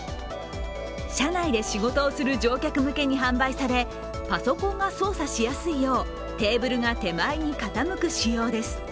車内で仕事をする乗客向けに販売されパソコンが操作しやすいようテーブルが手前に傾く使用です。